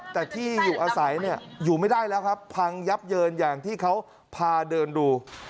แต่ที่อยู่อาศัยเนี่ยอยู่ไม่ได้แล้วครับพังยับเยินอย่างที่เขาพาเดินดู